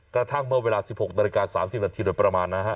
กระทั่งเมื่อเวลา๑๖นาฬิกา๓๐นาทีโดยประมาณนะฮะ